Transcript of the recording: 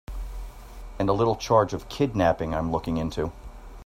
And a little charge of kidnapping I'm looking into.